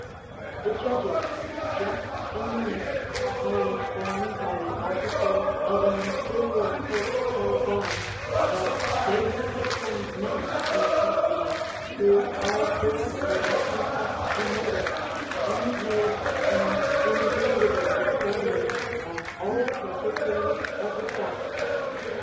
The judges, just in the nick, are informed by the officers of an inferior court hard by, that they have some men in custody, who have directly confessed the murder, and made an indubitable discovery of all the particulars of the fact.